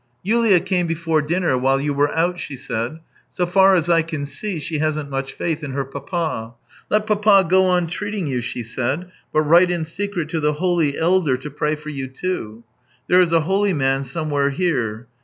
" Yulia came before dinner while you were out," she said. " So far as I can see, she hasn't much faith in her papa. ' Let papa go on treating you,' she said, ' but write in secret to the holy elder to pray for you, too.' There is a holy man somewhere here.